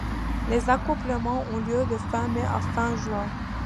Les accouplements ont lieu de fin mai à fin juin.